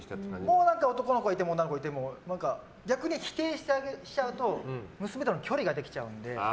もう男の子がいても女の子がいても逆に否定しちゃうと娘との距離ができちゃうので。